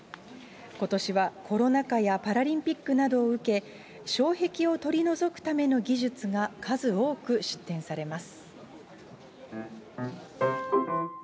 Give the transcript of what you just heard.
ことしはコロナ禍やパラリンピックなどを受け、障壁を取り除くための技術が数多く出展されます。